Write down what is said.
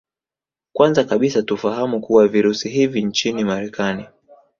Kwanza kabisa tufahamu kuwa Virusi hivi nchini Marekani